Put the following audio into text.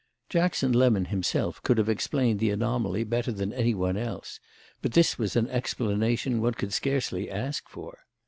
Jackson Lemon himself could have explained the anomaly better than any one else, but this was an explanation one could scarcely ask for.